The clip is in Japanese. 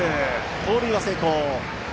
盗塁は成功。